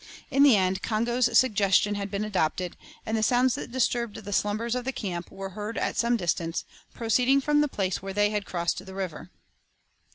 In the end Congo's suggestion had been adopted, and the sounds that disturbed the slumbers of the camp were heard at some distance, proceeding from the place where they had crossed the river.